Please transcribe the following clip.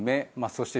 そして